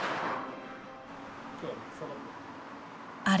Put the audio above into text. あれ？